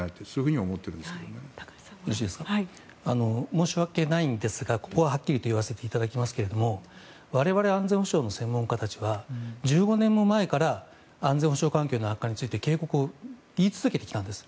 申し訳ないんですがここははっきり言わせていただきますが我々、安全保障の専門家たちは１５年も前から安全保障環境の悪化について警告を言い続けてきたんです。